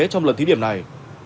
trong lần thí điểm này